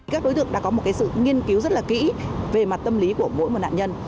các đối tượng đã có một sự nghiên cứu rất là kỹ về mặt tâm lý của mỗi một nạn nhân